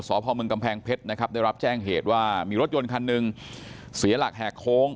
สพมกำแพงเพชรนะครับได้รับแจ้งเหตุว่ามีรถยนต์คันหนึ่งเสียหลักแหกโค้ง